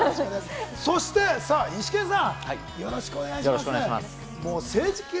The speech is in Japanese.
そしてイシケンさん、よろしくお願いします。